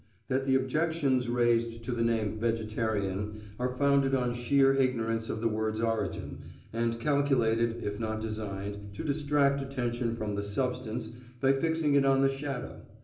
That the objections raised to the name "vegetarian" are founded on sheer ignorance of the word's origin, and calculated, if not designed, to distract attention from the substance by fixing it on the shadow.